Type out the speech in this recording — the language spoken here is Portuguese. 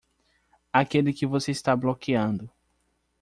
Aquele que você está bloqueando.